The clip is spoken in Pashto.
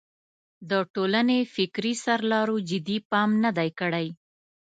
د ټولنې فکري سرلارو جدي پام نه دی کړی.